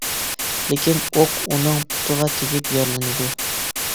لېكىن ئوق ئۇنىڭ پۇتىغا تېگىپ يارىلىنىدۇ.